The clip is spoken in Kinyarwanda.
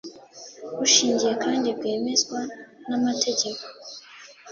bushingiye kandi bwemezwa n’amategeko,